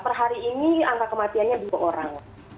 per hari ini angka kematiannya dua orang